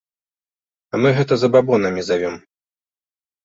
А мы гэта забабонамі завём.